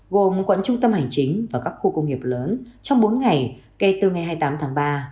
gồm quận trung tâm hành chính và các khu công nghiệp lớn trong bốn ngày kể từ ngày hai mươi tám tháng ba